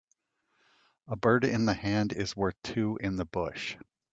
A bird in the hand is worth two in the bush.